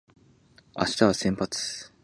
明日は先発